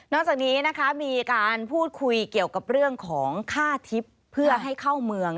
จากนี้นะคะมีการพูดคุยเกี่ยวกับเรื่องของค่าทิพย์เพื่อให้เข้าเมือง